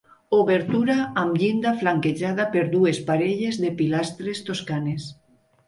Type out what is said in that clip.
Obertura amb llinda flanquejada per dues parelles de pilastres toscanes.